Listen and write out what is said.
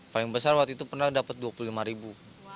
paling besar waktu itu pernah dapat dua puluh lima ribu